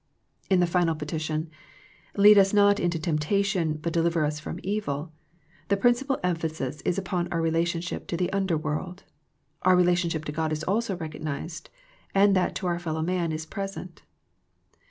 In the final petition, " Lead us not into temptation, but deliver us from evil," the principal emphasis is upon our relationship to the under world. Our relationship to God is also recog nized and that to our fellow man is present.